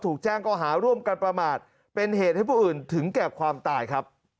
ถูกแจ้งก็หาร่วมกันประมาทเป็นเหตุให้ผู้อื่นถึงแก่ความตายครับ